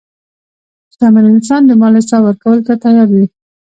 شتمن انسان د مال حساب ورکولو ته تیار وي.